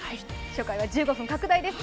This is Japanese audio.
初回は１５分拡大です。